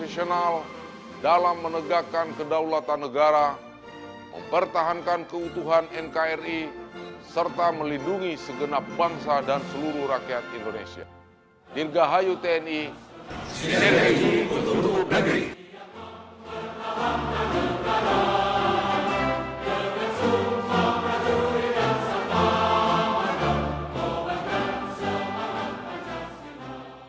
selamat hari ulang tahun tentara nasional indonesia mengucapkan